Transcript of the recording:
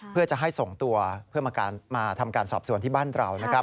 เพื่อจะให้ส่งตัวเพื่อมาทำการสอบส่วนที่บ้านเรา